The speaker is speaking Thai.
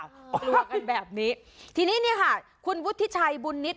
กลัวกันแบบนี้ทีนี้เนี่ยค่ะคุณวุฒิชัยบุญนิต